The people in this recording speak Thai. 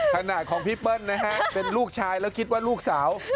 ขณะของพี่เปิ้ลนะฮะเป็นลูกชายแล้วคิดว่าลูกสาว